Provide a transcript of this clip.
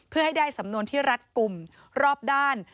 เพื่อให้ได้สำนวนที่รัดกลุ่มรอบด้าน